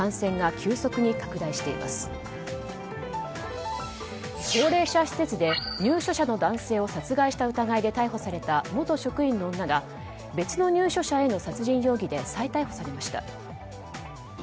高齢者施設で入所者の男性を殺害した疑いで逮捕された元職員の女が別の入所者への殺人容疑で再逮捕されました。